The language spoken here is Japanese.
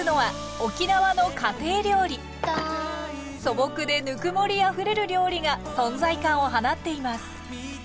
素朴でぬくもりあふれる料理が存在感を放っています。